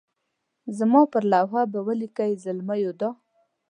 زما پر لوحه به لیکئ زلمیو دا.